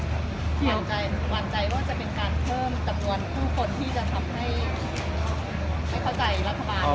วางใจว่าจะเป็นการเพิ่มจำนวนผู้คนที่จะทำให้ไม่เข้าใจรัฐบาล